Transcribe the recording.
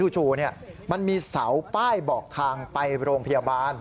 จู่มันมีเสาป้ายบอกทางไปโรงพยาบาล